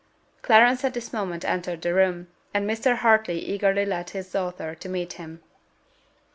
Clarence at this moment entered the room, and Mr. Hartley eagerly led his daughter to meet him.